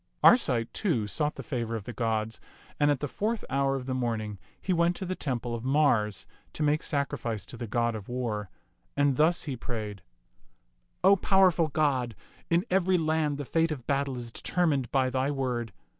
Arcite, too, sought the favor of the gods, and at the fourth hour of the morning he went to the temple of Mars to make sacrifice to the god of war; and thus he prayed, " O powerful god, in every land the fate of battle is determined by thy word.